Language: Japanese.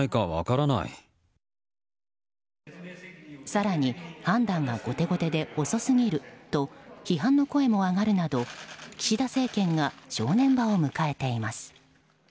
更に判断が後手後手で遅すぎると批判の声も上がるなど岸田政権が正念場を迎えています。